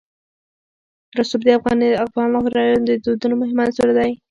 رسوب د افغان کورنیو د دودونو مهم عنصر دی.